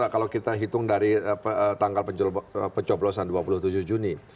kalau kita hitung dari tanggal pencoblosan dua puluh tujuh juni